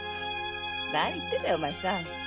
何言ってんだよお前さん。